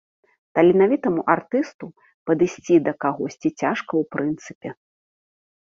Таленавітаму артысту падысці да кагосьці цяжка ў прынцыпе.